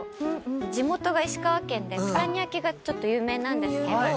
地元が石川県で九谷焼がちょっと有名なんですけど。